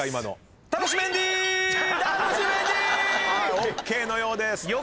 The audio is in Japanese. ＯＫのようです。